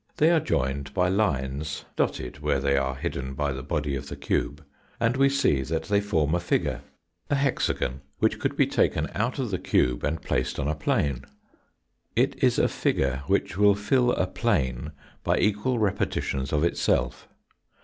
They are joined by lines, dotted where they are hidden by the body of the cube, and we see that they form a figure a hexagon which 126 FOURTft DIMENSION could be taken out of the cube and placed on a plane. It is a figure which will fill a plane by equal repetitions of itself.